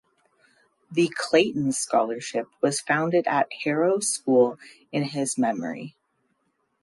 The Clayton Scholarship was founded at Harrow School in his memory.